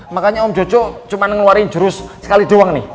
makanya om jojo cuma ngeluarin jurus sekali doang nih